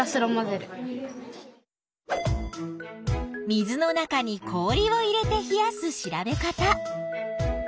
水の中に氷を入れて冷やす調べ方。